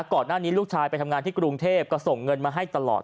ก่อนหน้านี้ลูกชายไปทำงานที่กรุงเทพก็ส่งเงินมาให้ตลอด